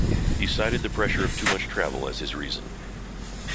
He cited the pressure of too much travel as his reason.